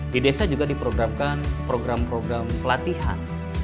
di desa juga diprogramkan program program pelatihan